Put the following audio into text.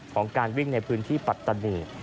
ของการวิ่งในพื้นที่ปัตตานี